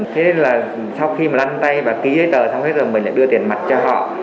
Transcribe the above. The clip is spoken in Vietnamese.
thế nên là sau khi mà lăn tay và ký giấy tờ xong hết rồi mình lại đưa tiền mặt cho họ